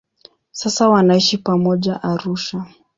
Sasa wanaishi pamoja Arusha.